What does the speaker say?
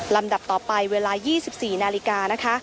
ดับต่อไปเวลา๒๔นาฬิกานะคะ